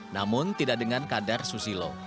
namun tidak dengan kadar susilo